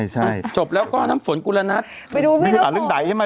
จับแล้วก็น้ำฝนกุรณัสไปดูมึงดอยใช่มั้ย